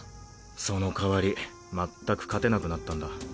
その代わりまったく勝てなくなったんだ。